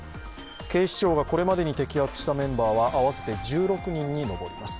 警視庁がこれまでに摘発したメンバーは合わせて１６人に上ります。